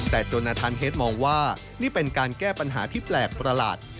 แต่จนอาทานเฮดมองว่านี่เป็นการแก้ปัญหาที่แปลกประหลาด